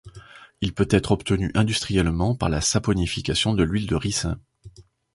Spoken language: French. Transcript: Il peut être obtenu industriellement par saponification de l’huile de ricin.